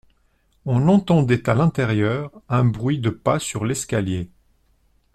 On entendait à l'intérieur un bruit de pas sur l'escalier.